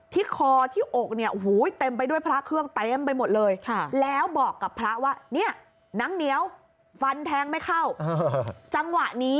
ที่คอที่อกเนี่ยเต็มไปด้วยพระเครื่อง